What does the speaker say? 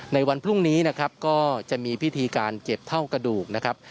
ในวันพรุ่งนี้นะครับก็จะมีพิธีการเก็บเท่ากระดูกนะครับ